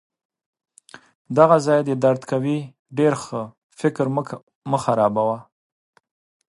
دغه ځای دي درد کوي؟ ډیر ښه! فکر مه خرابوه.